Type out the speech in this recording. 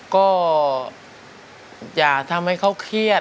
ก็อย่าทำให้เขาเครียด